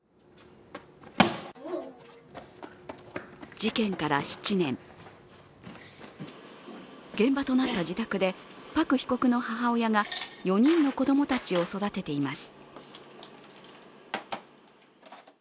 事件から７年、現場となった自宅でパク被告の母親が４人の子供たちを育てています。